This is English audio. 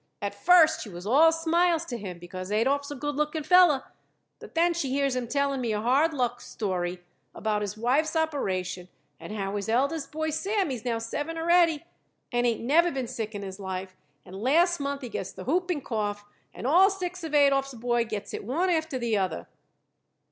At first she was all smiles to him, because Adolph is a good looking feller. But then she hears him telling me a hard luck story about his wife's operation and how his eldest boy Sammie is now seven already and ain't never been sick in his life, and last month he gets the whooping cough and all six of Adolph's boys gets it one after the other.